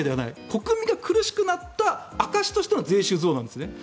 国民が苦しくなった証しとしての税収増なんですね。